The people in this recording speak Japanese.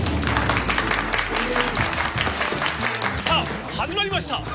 さあ始まりました！